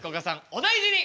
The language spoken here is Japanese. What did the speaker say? お大事に！